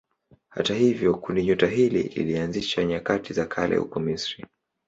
Hata hivyo kundinyota hili lilianzishwa nyakati za kale huko Misri.